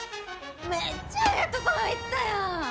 めっちゃええとこ入ったやん！